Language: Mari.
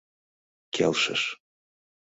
— Келшыш.